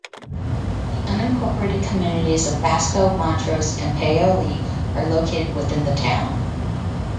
The unincorporated communities of Basco, Montrose, and Paoli are located within the town.